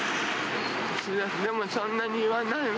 でもそんなに言わないわ。